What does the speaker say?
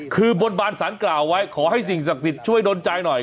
คือบนบานสารกล่าวไว้ขอให้สิ่งศักดิ์สิทธิ์ช่วยดนใจหน่อย